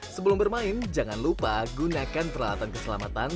sebelum bermain jangan lupa gunakan peralatan keselamatan